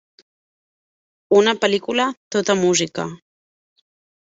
Una pel·lícula tota música.